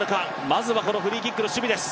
まずはこのフリーキックの守備です。